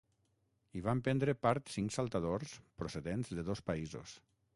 Hi van prendre part cinc saltadors procedents de dos països.